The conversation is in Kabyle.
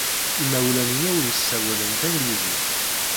Imawlan-inu ur ssawalen tanglizit.